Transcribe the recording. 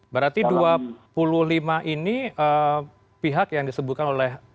berarti dua puluh lima ini pihak yang disebutkan oleh